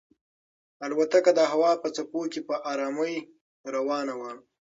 الوتکه د هوا په څپو کې په ارامۍ روانه وه.